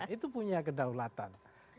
itu punya kedaulatan